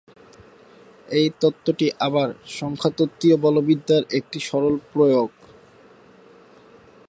এই তত্ত্বটি আবার সংখ্যাতত্ত্বীয় বলবিদ্যার একটি সরল প্রয়োগ।